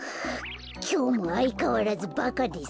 「きょうもあいかわらずバカですか？